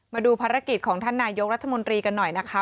มาดูภารกิจของท่านนายกรัฐมนตรีกันหน่อยนะคะ